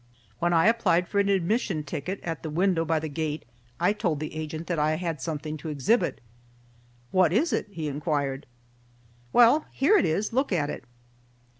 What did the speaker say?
When I applied for an admission ticket at a window by the gate I told the agent that I had something to exhibit. "What is it?" he inquired. "Well, here it is. Look at it."